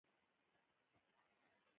زموږ هویت په همدې تاریخ ولاړ دی